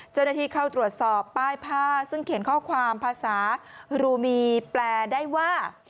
เจ้าหน้าที่เข้าตรวจสอบป้ายผ้าซึ่งเขียนข้อความภาษารูมีแปลได้ว่า